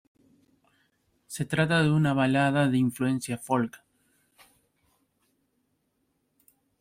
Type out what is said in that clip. Se trata de una balada de influencia "folk".